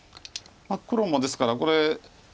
黒もですからこれ。